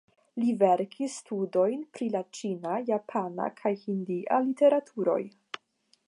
Li verkis studojn pri la ĉina, japana kaj hindia literaturoj.